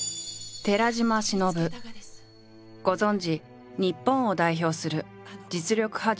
ご存じ日本を代表する実力派女優の一人。